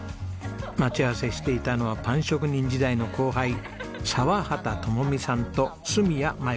待ち合わせしていたのはパン職人時代の後輩澤畑友美さんと角谷舞子さんです。